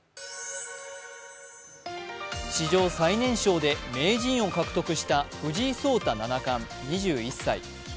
史上最年少で名人を獲得した藤井聡太七冠２１歳。